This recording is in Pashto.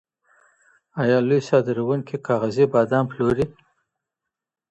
ایا لوی صادروونکي کاغذي بادام پلوري؟